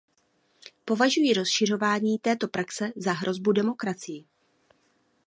Považuji rozšiřování této praxe za hrozbu demokracii.